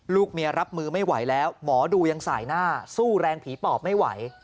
ลูกเมียรับมือไม่ไหวแล้วหมอดูยังสายหน้าสู้แรงผีปอบไม่ไหว